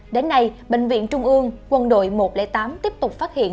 đến nay bệnh viện trung ương quân đội một trăm linh tám tiếp tục phát hiện